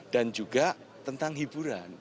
dan juga tentang hiburan